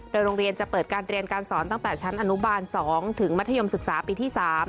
โรงเรียนจะเปิดการเรียนการสอนตั้งแต่ชั้นอนุบาล๒ถึงมัธยมศึกษาปีที่๓